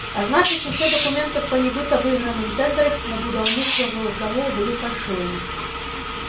А значыць, усе дакументы па нібыта выйграным тэндэры на будаўніцтва жылых дамоў былі фальшывымі.